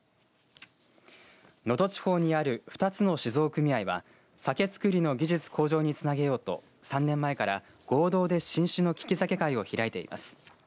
能登地方にある２つの酒造組合は酒造りの技術向上につなげようと３年前から合同で新酒の利き酒会を開いています。